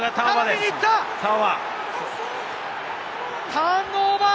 ターンオーバー！